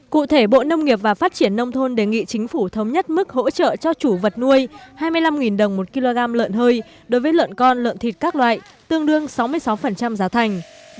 cụ thể bộ nông nghiệp và phát triển nông thôn đề nghị chính phủ thống nhất mức hỗ trợ cho chủ vật nuôi hai mươi năm đồng một kg lợn hơi đối với lợn con lợn thịt các loại tương đương sáu mươi sáu giá thành